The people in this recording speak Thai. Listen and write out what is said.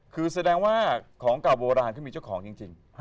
คือแสดงว่าของเก่าโบราณเขามีเจ้าของจริง